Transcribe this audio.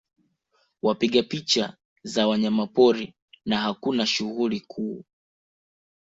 Wapiga picha za wanyamapori na hakuna shughuli kuu